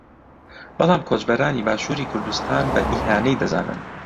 بەڵام کۆچبەرانی باشووری کوردستان بە ئیهانەی دەزانن